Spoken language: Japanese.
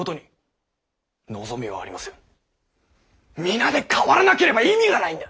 皆で変わらなければ意味がないんだ。